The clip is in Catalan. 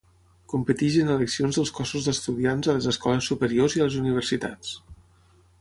Competeix en eleccions dels cossos d'estudiants a les escoles superiors i a les universitats.